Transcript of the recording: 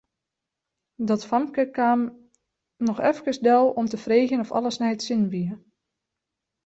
Dat famke kaam noch efkes del om te freegjen oft alles nei't sin wie.